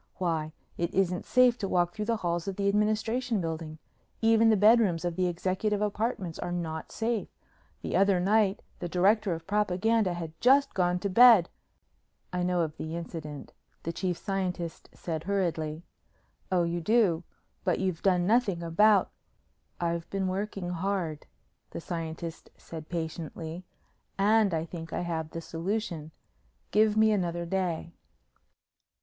Why it isn't safe to walk through the halls of the Administration Building. Even the bedrooms of the Executive Apartments are not safe! The other night the Director of Propaganda had just gone to bed " "I know of the incident," the Chief Scientist said hurriedly. "Oh, you do? But you've done nothing about " "I've been working hard," the scientist said patiently, "and I think I have the solution. Give me another day."